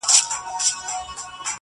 څه مي ارام پرېږده ته,